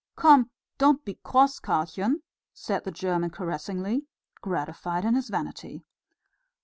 "Come, don't be cross, Karlchen," said the German caressingly, gratified in his vanity.